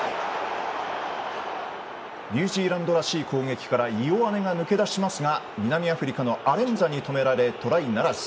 ニュージーランドらしい攻撃からイオアネが抜け出しますが南アフリカのアレンザに止められトライならず。